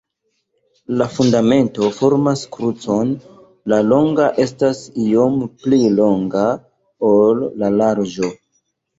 La fundamento formas krucon, la longo estas iom pli longa, ol la larĝo.